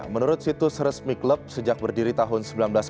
menurut situs resmi klub sejak berdiri tahun seribu sembilan ratus sembilan puluh